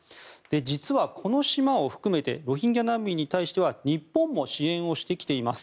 実はこの島を含めてロヒンギャ難民に対しては日本も支援をしてきています。